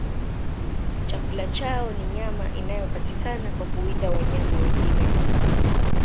Chakula chao ni nyama inayopatikana kwa kuwinda wanyama wengine.